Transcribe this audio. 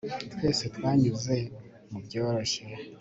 twese twanyuze mubyoroshye